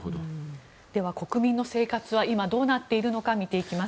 では、国民の生活は今どうなっているのか見ていきます。